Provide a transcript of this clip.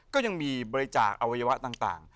ก็ยังมีบริจาคอวัยวะต่าง